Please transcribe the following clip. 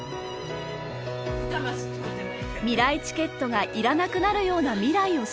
みらいチケットがいらなくなるような未来を信じて。